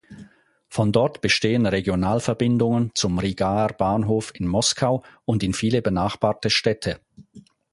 Von dort bestehen Regionalverbindungen zum Rigaer Bahnhof in Moskau und in viele benachbarte Städte.